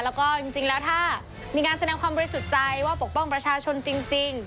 แล้วก็จริงแล้วถ้ามีการแสดงความบริสุทธิ์ใจว่าปกป้องประชาชนจริง